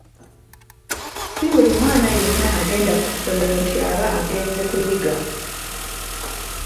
Si buli mwana yenna agenda ku ssomero nti aba agenze kuyiga.